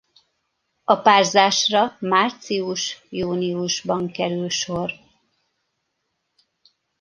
A párzásra március-júniusban kerül sor.